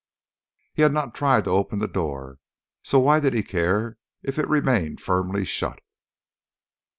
He had not tried to open the door, so why did he care that it remained firmly shut?